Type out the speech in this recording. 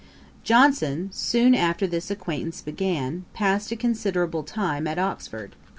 ] Johnson, soon after this acquaintance began, passed a considerable time at Oxford.